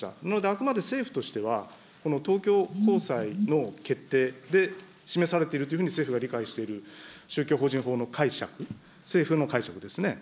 あくまで政府としては、この東京高裁の決定で示されているというふうに政府が理解している、宗教法人法の解釈、政府の解釈ですね。